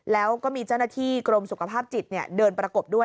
แล้วก็มีเจ้าหน้าที่กรมสุขภาพจิตเดินประกบด้วย